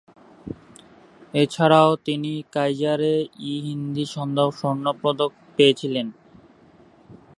এছাড়াও তিনি কাইজার-ই-হিন্দ স্বর্ণপদক পেয়েছিলেন।